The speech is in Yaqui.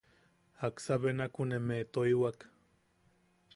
¿Jaksa benakumeʼe toiwak?